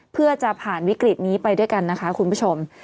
เพื่อจะผ่านวิกฤตนี้ไปด้วยกันนะคะคุณผู้ชม